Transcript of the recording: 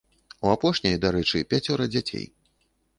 У апошняй, дарэчы, пяцёра дзяцей.